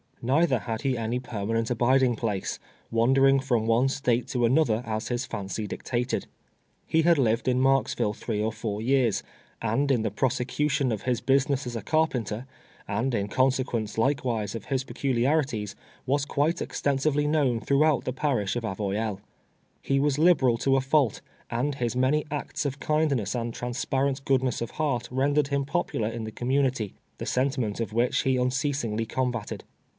Nei ther had he any permanent abiding place — wander ing from one State to another, as his fancy dictated. He had lived in Marksville three or four years, and in the prosecution of his business as a carpenter ; and in consequence, likev»'ise, of his peculiarities, was quite extensively kn(,)wn tliroughout the parish of Avoyelles. He was liberal to a fault ; and his many acts of kindness and transparent goodness of heart rendered him popular in the community, the senti ment of which ho iinccasingly combated.